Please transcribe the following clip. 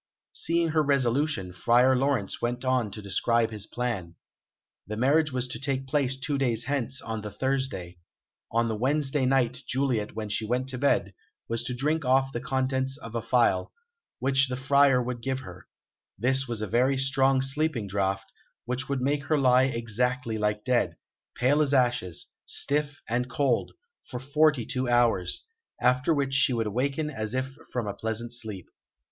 Seeing her resolution, Friar Laurence went on to describe his plan. The marriage was to take place two days hence, on the Thursday. On the Wednesday night Juliet, when she went to bed, was to drink off the contents of a phial, which the Friar would give her. This was a very strong sleeping draught, which would make her lie exactly like dead, pale as ashes, stiff and cold, for forty two hours, after which she would awaken as if from a pleasant sleep.